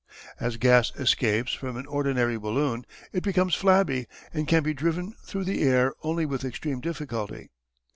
As gas escapes from an ordinary balloon it becomes flabby, and can be driven through the air only with extreme difficulty.